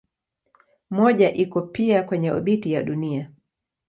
Mmoja iko pia kwenye obiti ya Dunia.